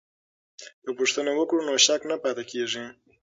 که پوښتنه وکړو نو شک نه پاتې کیږي.